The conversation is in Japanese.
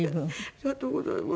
ありがとうございます。